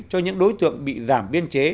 cho những đối tượng bị giảm biên chế